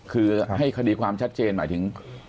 คือให้คดีความชัดเจนหมายถึง